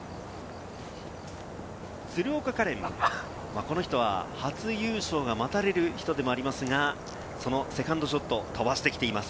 鶴岡果恋、この人は初優勝が待たれる人でもありますが、そのセカンドショット、飛ばしてきています。